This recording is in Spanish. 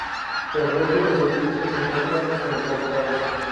El resto del edificio se encuentra enfoscado.